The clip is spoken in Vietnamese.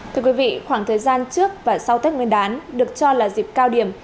thưa quý vị khoảng thời gian trước và sau tết nguyên đán được cho là dịp cao điểm